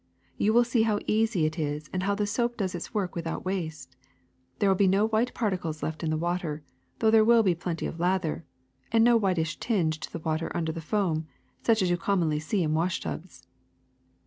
You will see how easy it is and how the soap does its work without waste. There will be no white particles left in the water, though there will be plenty of lather, and no whitish tinge to the water under the foam such as you commonly see in wash tubs.